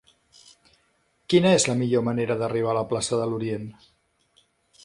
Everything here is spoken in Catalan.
Quina és la millor manera d'arribar a la plaça de l'Orient?